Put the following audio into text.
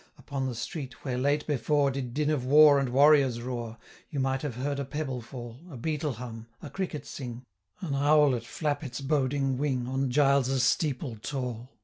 Upon the street, where late before Did din of war and warriors roar, You might have heard a pebble fall, 555 A beetle hum, a cricket sing, An owlet flap his boding wing On Giles's steeple tall.